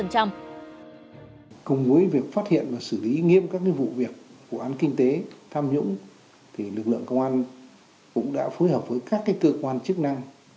cùng với việc phát hiện và xử lý nghiêm các vụ việc vụ án kinh tế tham nhũng thì lực lượng công an cũng đã phối hợp với các cơ quan chức năng